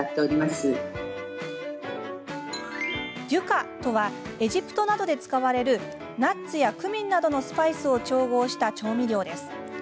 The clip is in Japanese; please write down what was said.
デュカとはエジプトなどで使われるナッツやクミンなどのスパイスを調合した調味料です。